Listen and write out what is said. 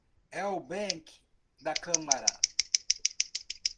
Ewbank da Câmara